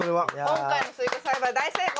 今回のスイカ栽培大成功。